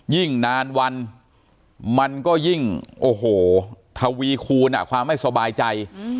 ยิ่งนานวันมันก็ยิ่งโอ้โหทวีคูณความไม่สบายใจ